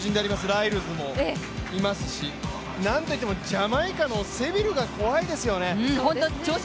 ライルズもいますし、なんといってもジャマイカのセビルが怖いですよね。